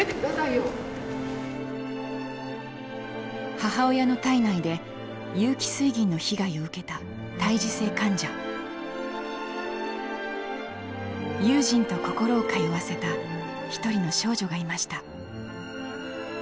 母親の胎内で有機水銀の被害を受けたユージンと心を通わせた一人の少女がいました。